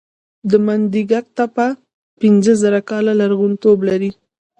د منډیګک تپه پنځه زره کاله لرغونتوب لري